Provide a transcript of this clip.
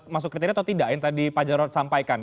masuk kriteria atau tidak yang tadi pak jarod sampaikan